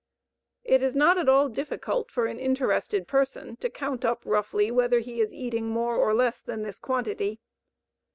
It is not at all difficult for an interested person to count up roughly whether he is eating more or less than this quantity.